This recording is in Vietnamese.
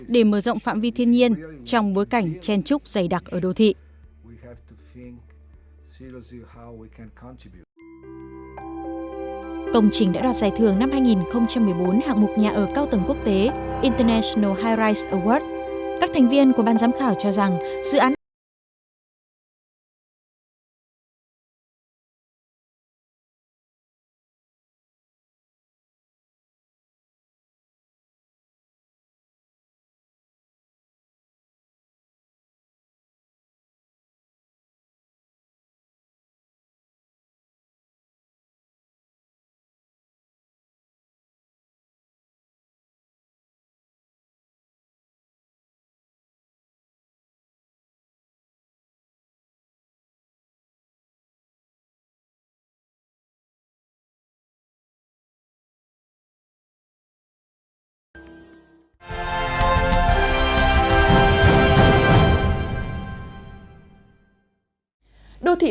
để mở rộng phạm vi thiên nhiên trong bối cảnh trang trúc dày đặc ở đô thị